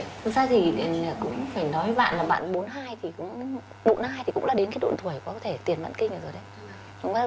thực ra thì cũng phải nói với bạn là bạn bốn mươi hai thì cũng là đến cái độ tuổi có thể tiền mẵn kinh rồi đấy